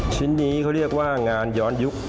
ชิ้นนี้เขาเรียกว่างานย้อนยุค